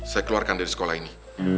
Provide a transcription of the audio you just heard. saya keluarkan dari sekolah ini